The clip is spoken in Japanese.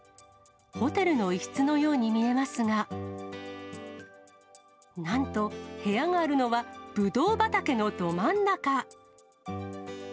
ホテルの一室のように見えますが、なんと、部屋があるのはブドウ畑のど真ん中。